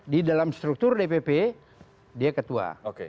di dalam struktur dpp dia ketua